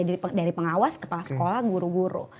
dari pengawas kepala sekolah guru guru